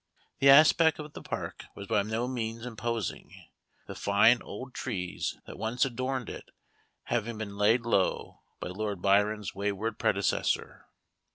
The aspect of the park was by no means imposing, the fine old trees that once adorned it having been laid low by Lord Byron's wayward predecessor.